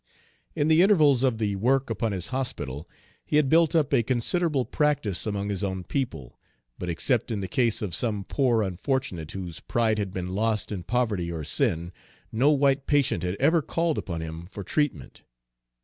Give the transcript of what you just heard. In the intervals of the work upon his hospital, he had built up a considerable practice among his own people; but except in the case of some poor unfortunate whose pride had been lost in poverty or sin, no white patient had ever called upon him for treatment.